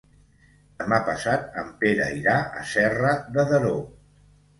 Demà passat en Pere irà a Serra de Daró.